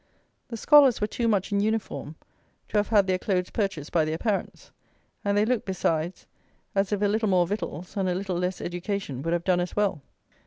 The scholars were too much in uniform to have had their clothes purchased by their parents; and they looked, besides, as if a little more victuals and a little less education would have done as well.